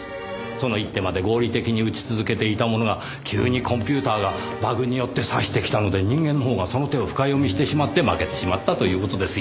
その一手まで合理的に打ち続けていたものが急にコンピューターがバグによって指してきたので人間のほうがその手を深読みしてしまって負けてしまったという事ですよ。